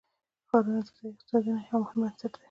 ښارونه د ځایي اقتصادونو یو مهم بنسټ دی.